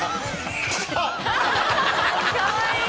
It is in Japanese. かわいい。